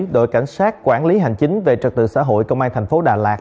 đội cảnh sát quản lý hành chính về trật tự xã hội công an thành phố đà lạt